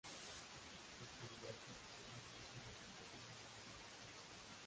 Su actividad profesional ha girado en torno al mundo de las bandas.